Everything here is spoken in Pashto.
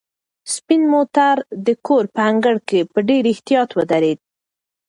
سپین موټر د کور په انګړ کې په ډېر احتیاط ودرېد.